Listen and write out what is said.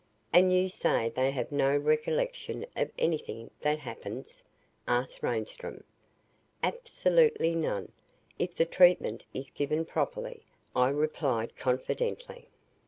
"And you say they have no recollection of anything that happens?" asked Reinstrom. "Absolutely none if the treatment is given properly," I replied confidently.